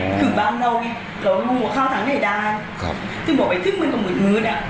คือบ้านเราเนี้ยเรารู้ว่าข้าวทางไหนได้ครับซึ่งบอกว่าไปทึ่งมันก็เหมือนมืดอะ